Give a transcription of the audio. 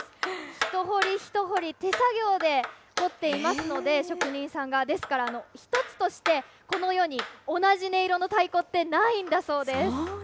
一彫り一彫り手作業で彫っていますので、職人さんが、ですから一つとしてこの世に同じ音色の太鼓ってないんだそうです。